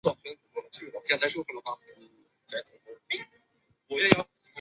普赖萨。